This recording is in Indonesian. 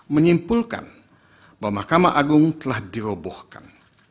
menyimpulkan bahwa mahkamah agung telah dirobohkan